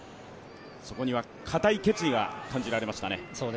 そこには固い決意が感じられましたね。